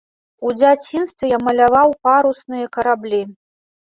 У дзяцінстве я маляваў парусныя караблі.